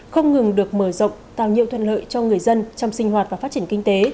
không ngừng được mở rộng tạo nhiều thuận lợi cho người dân trong sinh hoạt và phát triển khách